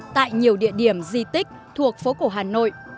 tại nhiều địa điểm di tích thuộc phố cổ hà nội